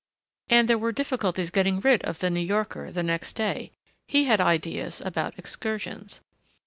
And there were difficulties getting rid of the New Yorker the next day. He had ideas about excursions.